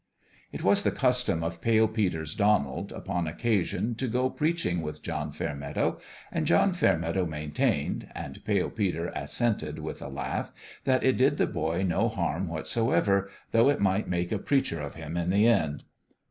It was the custom of Pale Peter's Donald, BOUND THROUGH 275 upon occasion, to go preaching with John Fair meadow ; and Fairmeadow maintained and Pale Peter assented with a laugh that it did the boy no harm whatsoever, though it might make a preacher of him in the end.